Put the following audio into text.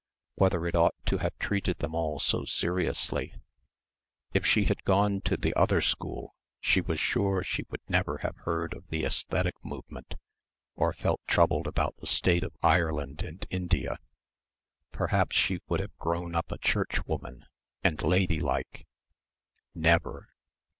Whether it ought to have treated them all so seriously. If she had gone to the other school she was sure she would never have heard of the Æsthetic Movement or felt troubled about the state of Ireland and India. Perhaps she would have grown up a Churchwoman ... and "lady like." Never.